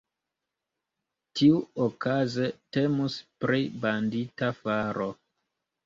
Tiuokaze, temus pri bandita faro.